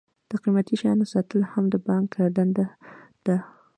د قیمتي شیانو ساتل هم د بانک دنده ده.